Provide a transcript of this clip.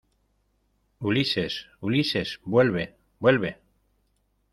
¡ Ulises! ¡ Ulises, vuelve !¡ vuelve !